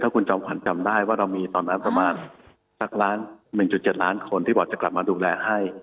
ถ้ามป้องกันถึงว่ามีประมาณ๑๗ล้านคนที่บอกจะดูแลให้